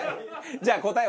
じゃあ答え